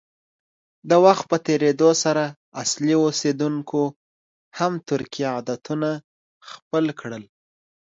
د وخت په تېرېدو سره اصلي اوسیدونکو هم ترکي عادتونه خپل کړل.